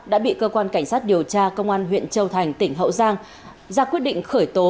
đã bị cơ quan cảnh sát điều tra công an huyện châu thành tỉnh hậu giang ra quyết định khởi tố